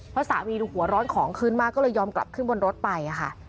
เพราะสามีดูหัวร้อนของขึ้นมากก็เลยยอมกลับขึ้นบนรถไปค่ะ